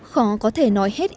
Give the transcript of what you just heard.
khó có thể nói hết